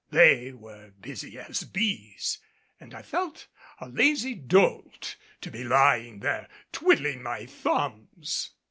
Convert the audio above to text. They were busy as bees and I felt a lazy dolt to be lying there twiddling my thumbs.